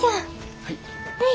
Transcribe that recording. はい。